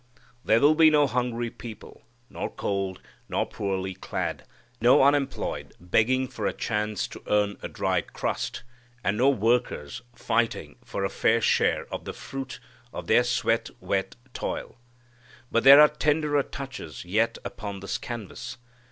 There will be no hungry people, nor cold, nor poorly clad; no unemployed, begging for a chance to earn a dry crust, and no workers fighting for a fair share of the fruit of their sweat wet toil. But there are tenderer touches yet upon this canvas.